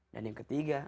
dan yang ketiga